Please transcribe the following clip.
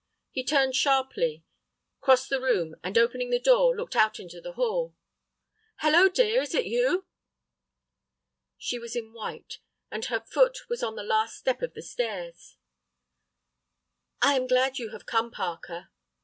He turned sharply, crossed the room, and, opening the door, looked out into the hall. "Hallo, dear, is it you?" She was in white, and her foot was on the last step of the stairs. "I am glad that you have come, Parker."